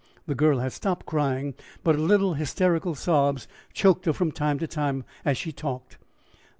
The girl had stopped crying, but little hysterical sobs choked her from time to time as she talked.